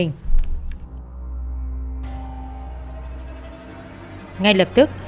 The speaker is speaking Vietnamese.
ngay lập tức